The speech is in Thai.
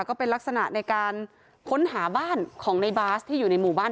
ก็เป็นลักษณะในการค้นหาบ้านของในบาสที่อยู่ในหมู่บ้าน